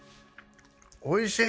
おいしい。